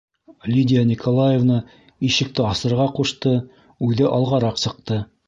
Лидия Николаевна ишекте асырға ҡушты, үҙе алғараҡ сыҡты: